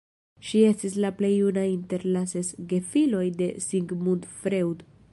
Ŝi estis la plej juna inter la ses gefiloj de Sigmund Freud.